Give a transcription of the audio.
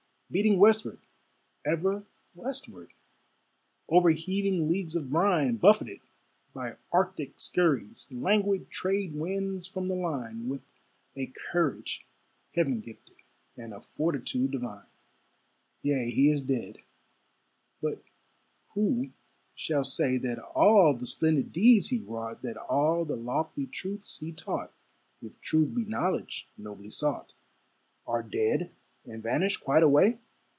Beating westward, ever westward, Over heaving leagues of brine, Buffeted by arctic scurries, Languid trade winds from the line; With a courage heaven gifted, And a fortitude divine. Yea, he is dead; but who shall say That all the splendid deeds he wrought, That all the lofty truths he taught (If truth be knowledge nobly sought), Are dead and vanished quite away?